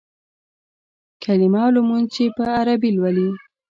کلیمه او لمونځ چې په عربي لولې.